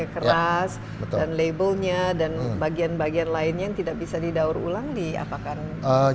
keras dan labelnya dan bagian bagian lainnya yang tidak bisa didaur ulang diapakan